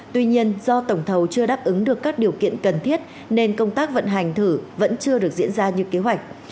tuy nhiên do tổng thầu chưa đáp ứng được các điều kiện cần thiết nên công tác vận hành thử vẫn chưa được diễn ra như kế hoạch